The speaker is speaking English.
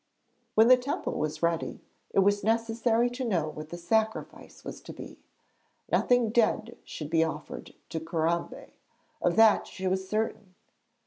When the temple was ready, it was necessary to know what the sacrifice was to be. Nothing dead should be offered to Corambé. Of that she was certain.